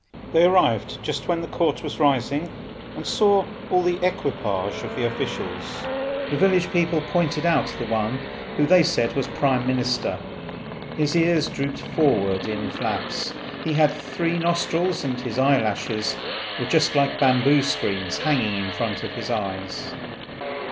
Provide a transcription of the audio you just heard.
They arrived just when the Court was rising, and saw all the equipages of the officials. The village people pointed out one who they said was Prime Minister. His ears drooped forward in flaps; he had three nostrils, and his eye lashes were just like bamboo screens hanging in front of his eyes.